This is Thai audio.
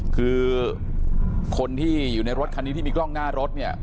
คือคนที่อยู่ในรถคันนี้ที่มีกล้องหน้ารถเนี่ย